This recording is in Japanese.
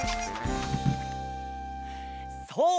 そう！